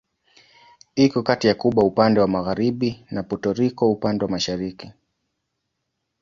Iko kati ya Kuba upande wa magharibi na Puerto Rico upande wa mashariki.